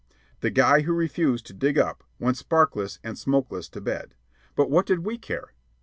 The guy who refused to dig up, went sparkless and smokeless to bed. But what did we care?